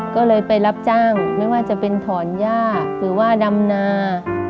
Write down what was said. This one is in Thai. ก็เลยไปรับจ้างไม่ว่าจะเป็นถอนหญ้าหรือว่าดำนา